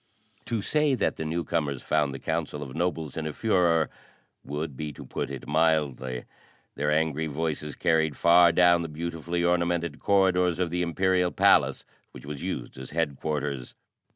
To say that the newcomers found the council of nobles in a furore would be to put it mildly. Their angry voices carried far down the beautifully ornamented corridors of the Imperial Palace, which was used as headquarters.